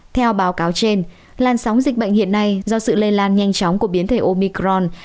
theo báo cáo trên làn sóng dịch bệnh hiện nay do sự lây lan nhanh chóng của biến thể omicron